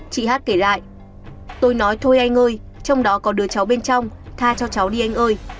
chị hát kể lại tôi nói thôi ai ngơi trong đó có đứa cháu bên trong tha cho cháu đi anh ơi